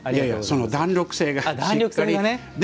その弾力性がしっかり。